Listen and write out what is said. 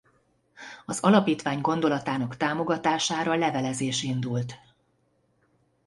Az alapítvány gondolatának támogatására levelezés indult.